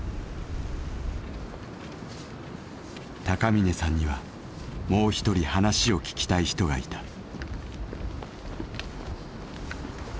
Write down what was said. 高峰さんにはもう一人話を聞きたい人がいた。